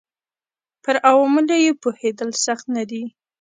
پر عواملو یې پوهېدل سخت نه دي.